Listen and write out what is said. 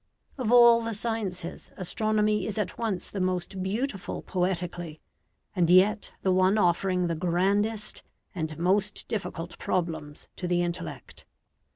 Of all the sciences, astronomy is at once the most beautiful poetically, and yet the one offering the grandest and most difficult problems to the intellect.